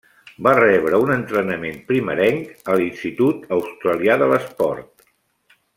Va rebre un entrenament primerenc a l'Institut Australià de l'Esport.